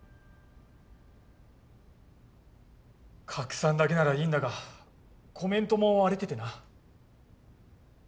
拡散だけならいいんだがコメントも荒れててな。